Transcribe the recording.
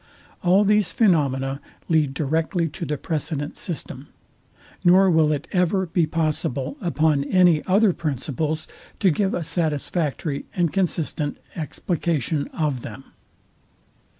All these phenomena lead directly to the precedent system; nor will it ever be possible upon any other principles to give a satisfactory and consistent explication of them.